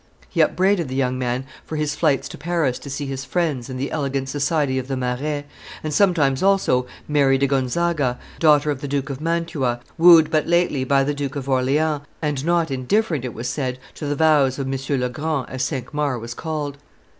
He upbraided the young man for his flights to Paris to see his friends and the elegant society of the Marais, and sometimes also Mary di Gonzaga, daughter of the Duke of Mantua, wooed but lately by the Duke of Orleans, and not indifferent, it was said, to the vows of M. Le Grand, as Cinq Mars was called.